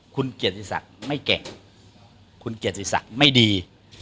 คุณเกียรติศักดิ์ไม่เก่งคุณเกียรติศักดิ์ไม่ดี